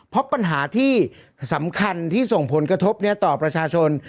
เพราะปัญหาที่สำคัญที่ส่งผลกระทบต่อประชาชน